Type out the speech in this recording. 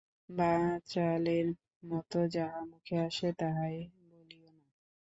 বাচালের মতো যাহা মুখে আসে তাহাই বলিয়ো না।